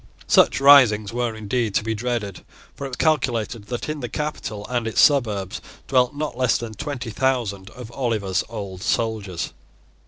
Such risings were, indeed to be dreaded; for it was calculated that in the capital and its suburbs dwelt not less than twenty thousand of Oliver's old soldiers.